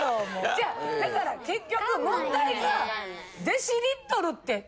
違うだから結局問題が。